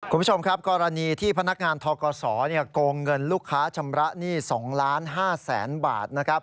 คุณผู้ชมครับกรณีที่พนักงานทกศโกงเงินลูกค้าชำระหนี้๒๕๐๐๐๐บาทนะครับ